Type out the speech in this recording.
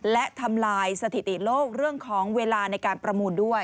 และทำลายสถิติโลกเรื่องของเวลาในการประมูลด้วย